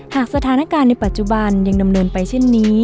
หากสถานการณ์ในปัจจุบันยังดำเนินไปเช่นนี้